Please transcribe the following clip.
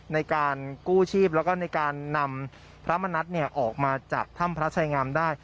ในการกู้ชีพแล้วก็ในการนำพระมณัฐออกมาจากถ้ำพระชายงามได้